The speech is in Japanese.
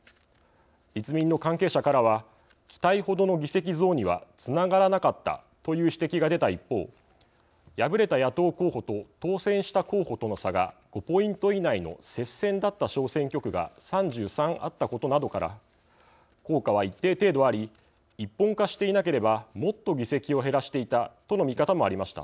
立民の関係者からは期待ほどの議席増にはつながらなかったという指摘が出た一方敗れた野党候補と当選した候補との差が５ポイント以内の接戦だった小選挙区が３３あったことなどから効果は一定程度あり一本化していなければもっと議席を減らしていたとの見方もありました。